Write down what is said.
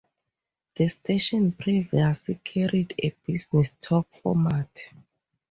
The station previously carried a business talk format.